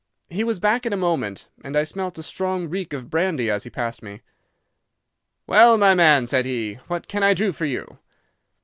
He was back in a moment, and I smelt a strong reek of brandy as he passed me. "'Well, my man,' said he, 'what can I do for you?